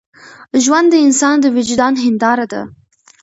ژوند د انسان د وجدان هنداره ده.